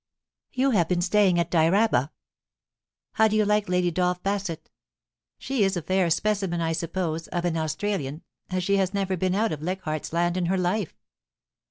You have been staying at Dyraaba. How do you like Lady Dolph Bassett ? She is a fair specimen, I suppose, of an Australian, as she has never been out of Leichardt's Land in her life.'